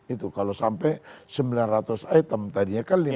itu kalau sampai sembilan ratus item tadinya kan lima ratus